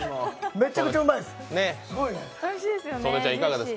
めちゃくちゃうまいです、すごいね。